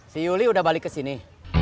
si yuli udah balik kesini